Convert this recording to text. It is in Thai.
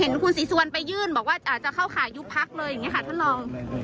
คุณศรีสุวรรณไปยื่นบอกว่าจะเข้าข่ายยุบพักเลยอย่างนี้ค่ะท่านรอง